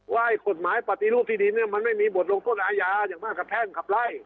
ไอ้กฎหมายปฏิรูปที่ดินเนี่ยมันไม่มีบทลงโทษอาญาอย่างมากกับแพ่งขับไล่